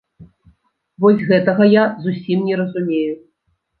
Вось гэтага я зусім не разумею!